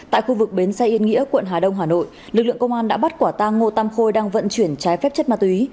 tại khu vực bến xe yên nghĩa quận hà đông hà nội lực lượng công an đã bắt quả tang ngô tam khôi đang vận chuyển trái phép chất ma túy